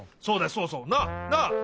そうそう。なあ？なあ？